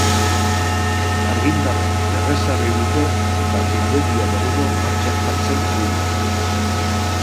Argindarra berrezarri dute eta findegia berriro martxan jartzen ari dira.